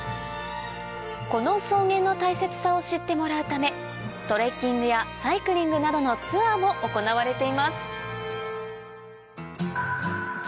この草原の大切さを知ってもらうためトレッキングやサイクリングなどのツアーも行われています